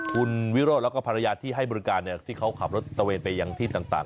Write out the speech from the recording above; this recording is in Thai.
คุณวิโรธแล้วก็ภรรยาที่ให้บริการที่เขาขับรถตะเวนไปยังที่ต่าง